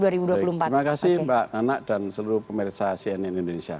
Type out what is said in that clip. terima kasih mbak anak dan seluruh pemerintah cnn indonesia